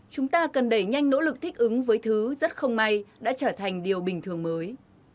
chúng ta cần đẩy nhanh nỗ lực thích ứng với thứ rất không may đã trở thành điều bình thường mới